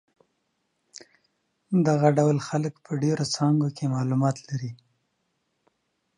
دغه ډول خلک په ډېرو څانګو کې معلومات لري.